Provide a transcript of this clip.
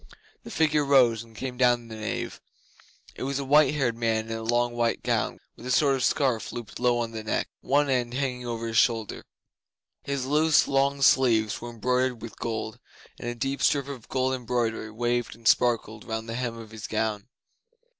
The figure rose and came down the nave. It was a white haired man in a long white gown with a sort of scarf looped low on the neck, one end hanging over his shoulder. His loose long sleeves were embroidered with gold, and a deep strip of gold embroidery waved and sparkled round the hem of his gown.